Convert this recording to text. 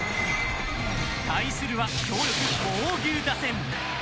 対するは強力猛牛打線。